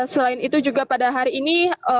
selain itu juga pada hari ini